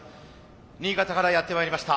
新潟からやってまいりました